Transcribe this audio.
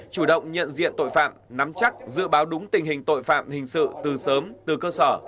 chủ động nhận diện tội phạm nắm chắc dự báo đúng tình hình tội phạm hình sự từ sớm từ cơ sở